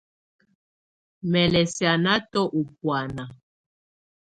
Mɛ lɛ sianatɔ u bùána.